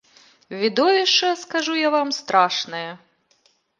Відовішча, скажу я вам, страшнае.